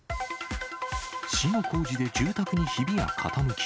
市の工事で住宅にひびや傾き。